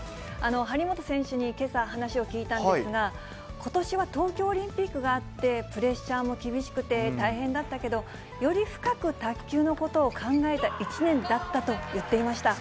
張本選手にけさ、話を聞いたんですが、ことしは東京オリンピックがあって、プレッシャーも厳しくて大変だったけど、より深く卓球のことを考えた一年だったと言っていました。